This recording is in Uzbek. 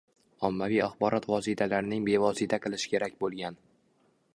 Ommaviy axborot vositalarining bevosita qilishi kerak bo‘lgan